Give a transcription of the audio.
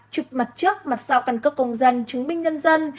chụp mặt trước mặt sau căn cước công dân chứng minh nhân dân